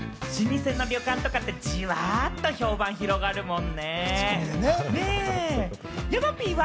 老舗の旅館とかって、ジワっと評判、広がるもんね。